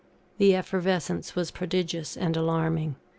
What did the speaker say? The effervescence was prodigious and alarming.